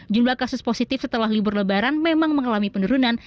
jumlah kasus positif setelah libur lebaran memang mengalami penurunan